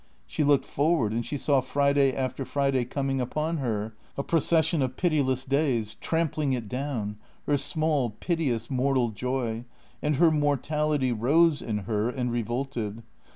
She looked forward and she saw Friday after Friday coming upon her, a procession of pitiless days, trampling it down, her small, piteous mortal joy, and her mortality rose in her and revolted.